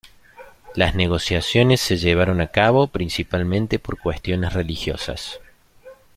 Las negociaciones se llevaron a cabo, principalmente por cuestiones religiosas.